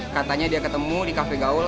katanya dia ketemu di cafe gaul